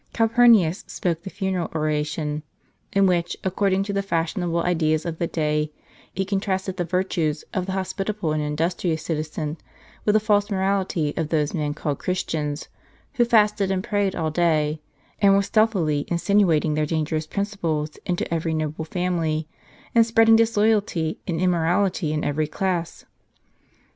Calpurnius spoke the funei al oration ; in which, according to the fashionable ideas of the day, he contrasted the virtues of the hospitable and industrious citizen with the false moral ity of those men called Christians, who fasted and prayed all day, and were stealthily insinuating their dangerous principles into every noble family, and spi eading disloyalty and immo ^ rality in every class.